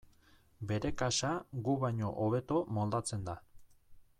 Bere kasa gu baino hobeto moldatzen da.